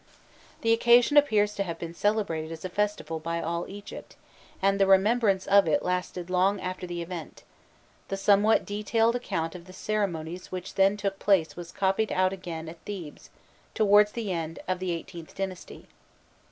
The occasion appears to have been celebrated as a festival by all Egypt, and the remembrance of it lasted long after the event: the somewhat detailed account of the ceremonies which then took place was copied out again at Thebes, towards the end of the XVIIIth dynasty.